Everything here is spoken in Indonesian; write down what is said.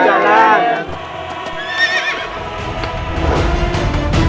terima kasih raden